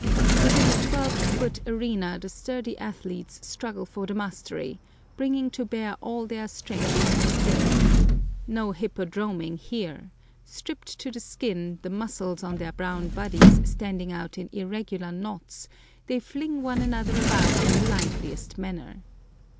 Within a twelve foot arena the sturdy athletes struggle for the mastery, bringing to bear all their strength and skill. No "hippodroming" here: stripped to the skin, the muscles on their brown bodies standing out in irregular knots, they fling one another about in the liveliest manner.